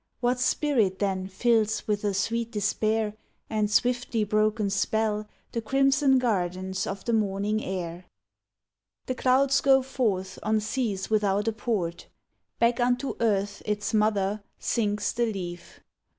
What spirit, then, fills with a sweet despair And swiftly broken spell The crimson gardens of the mourning air? The clouds go forth on seas without a port ; Back unto Earth, its mother, sinks the leaf.